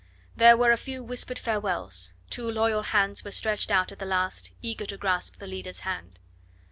There were a few whispered farewells, two loyal hands were stretched out at the last, eager to grasp the leader's hand.